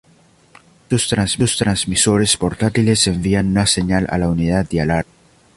Estos transmisores portátiles envían una señal a la unidad de alarma.